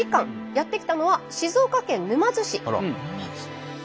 やって来たのは静岡県沼津市。